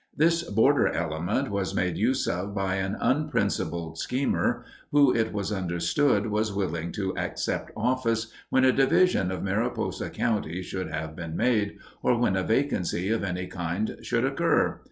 This "border element" was made use of by an unprincipled schemer, who it was understood was willing to accept office, when a division of Mariposa County should have been made, or when a vacancy of any kind should occur.